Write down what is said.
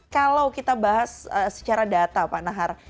kalau kita bahas secara data pak nahar